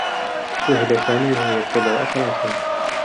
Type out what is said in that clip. شوهِد سامي و هو يبتلع أقراصا.